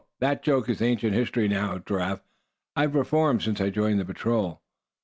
that joke is ancient history now, Giraffe, I've reformed since I joined the patrol."